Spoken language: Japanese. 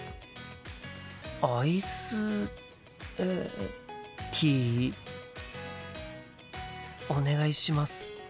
アイスえティーお願いします。